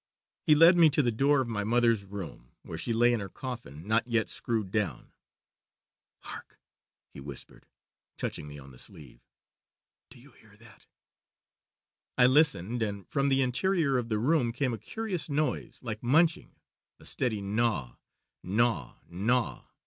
He led me to the door of my mother's room, where she lay in her coffin, not yet screwed down. 'Hark!' he whispered, touching me on the sleeve, 'do you hear that?' "I listened, and from the interior of the room came a curious noise like munching a steady gnaw, gnaw, gnaw.